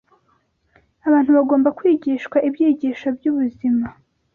abantu bagomba kwigishwa ibyigisho by’ubuzima.